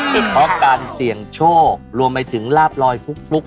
เพราะการเสี่ยงโชครวมไปถึงลาบลอยฟุก